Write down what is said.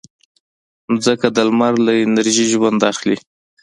مځکه د لمر له انرژي ژوند اخلي.